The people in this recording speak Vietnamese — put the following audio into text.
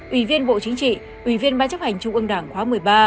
ủy viên bộ chính trị ủy viên ban chấp hành trung ương đảng khóa một mươi ba